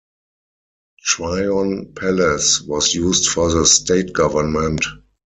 Tryon Palace was used for the state government.